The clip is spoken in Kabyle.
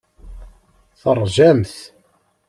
Teṛjamt.